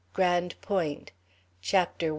GRANDE POINTE. CHAPTER I.